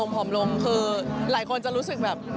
ผอมลงคือหลายคนจะรู้สึกแบบ